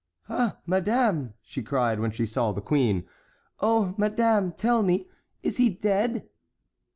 "Ah! madame!" she cried when she saw the queen. "Oh! madame! tell me, is he dead?"